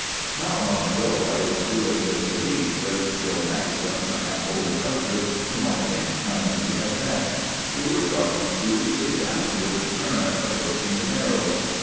"Not long ago I was doing the Tobique with Joe Maxim, an old hunter whom I think none of you have met. We were dropping smoothly down with the current, approaching the Narrows.